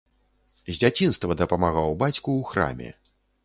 З дзяцінства дапамагаў бацьку ў храме.